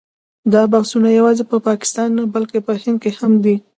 دا بحثونه یوازې په پاکستان کې نه بلکې په هند کې هم دي.